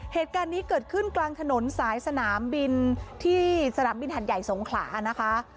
เหตุการณ์นี้เกิดขึ้นกลางถนนสายสนามบินที่สนามบินหัดใหญ่สงขลานะคะ